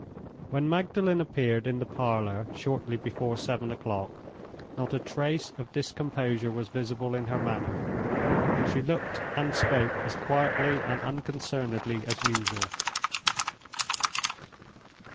When Magdalen appeared in the parlor shortly before seven o'clock, not a trace of discomposure was visible in her manner. She looked and spoke as quietly and unconcernedly as usual.